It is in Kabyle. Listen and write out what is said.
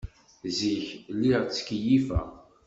Zik, lliɣ ttkeyyifeɣ.